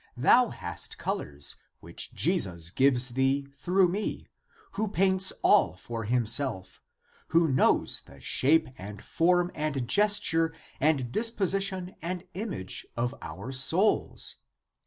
Thou hast colors, which Jesus gives thee through me, who paints all for himself, who know^s the shape and form and gesture and disposition and image of our souls.